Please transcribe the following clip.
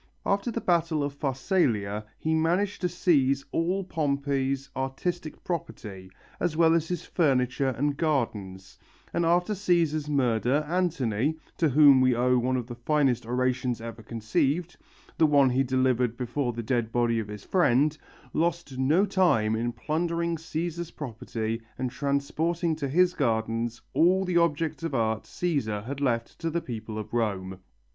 After the battle of Pharsalia he managed to seize all Pompey's artistic property, as well as his furniture and gardens, and after Cæsar's murder Antony, to whom we owe one of the finest orations ever conceived, the one he delivered before the dead body of his friend, lost no time in plundering Cæsar's property and transporting to his gardens all the objects of art Cæsar had left to the people of Rome.